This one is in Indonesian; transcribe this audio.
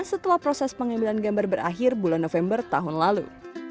setelah proses pengambilan gambar berakhir bulan november tahun lalu